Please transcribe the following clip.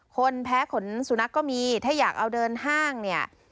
คนแพ้ขนสุนัขก็มีถ้าอยากเอาเดินห้างเนี่ย